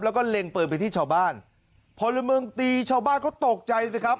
แล้วก็เล็งปืนไปที่ชาวบ้านพลเมืองตีชาวบ้านเขาตกใจสิครับ